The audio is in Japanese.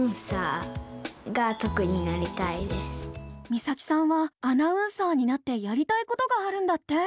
実咲さんはアナウンサーになってやりたいことがあるんだって。